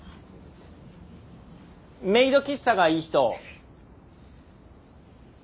「メイド喫茶」がいい人。